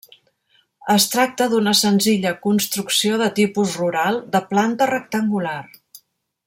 Es tracta d'una senzilla construcció de tipus rural, de planta rectangular.